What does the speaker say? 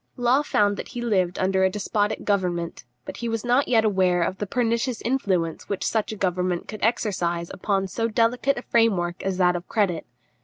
Law found that he lived under a despotic government; but he was not yet aware of the pernicious influence which such a government could exercise upon so delicate a framework as that of credit.